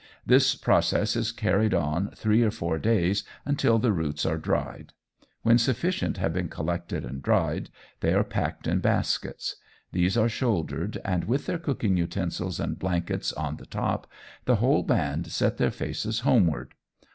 This process is carried on three or four days until the roots are dried. When sufficient have been collected and dried, they are packed in baskets. These are shouldered, and with their cooking utensils and blankets on the top, the whole band set their faces homeward.